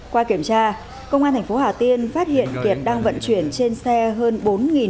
qua kiểm tra công an thành phố hà tiên phát hiện kiệt đang vận chuyển trên xe hơn bốn